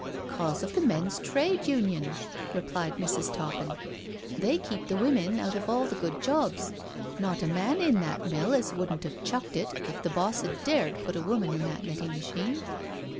" 'Cause of the men's Trade Union," replied Mrs. Toppin. " They keep the women out of all the good jobs. Not a man in that mill as wouldn't 'ave chucked it if the boss 'ad dared put a woman to that knittin' * machine.